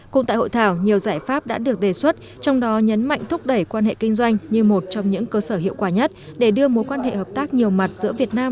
cùng tại hội thảo nhiều giải pháp đã được đề xuất trong đó nhấn mạnh thúc đẩy quan hệ kinh doanh như một trong những cơ sở hiệu quả nhất để đưa mối quan hệ hợp tác nhiều mặt giữa việt nam